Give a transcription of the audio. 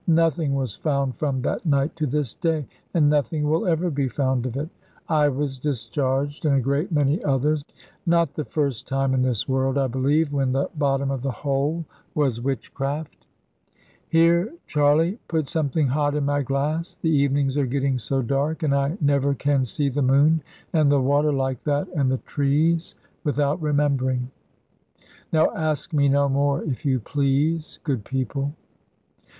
Nothing was found from that night to this day, and nothing will ever be found of it. I was discharged, and a great many others; not the first time in this world, I believe, when the bottom of the whole was witchcraft. Here, Charley, put something hot in my glass; the evenings are getting so dark; and I never can see the moon and the water, like that, and the trees, without remembering. Now ask me no more, if you please, good people."